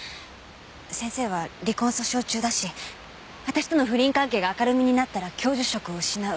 先生は離婚訴訟中だし私との不倫関係が明るみになったら教授職を失う。